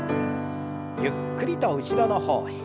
ゆっくりと後ろの方へ。